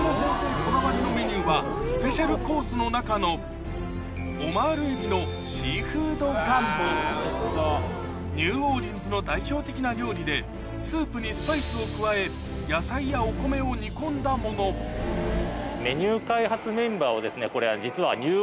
こだわりのメニューはスペシャルコースの中のニューオーリンズの代表的な料理でスープにスパイスを加え野菜やお米を煮込んだものメニュー。